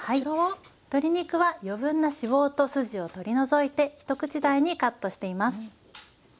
鶏肉は余分な脂肪と筋を取り除いて一口大にカットしています。